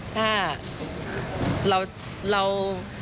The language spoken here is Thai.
ถ้าเรา